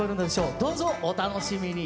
どうぞお楽しみに。